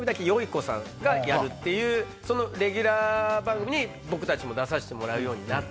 ゐこさんがやるっていうそのレギュラー番組に僕たちも出さしてもらうようになって。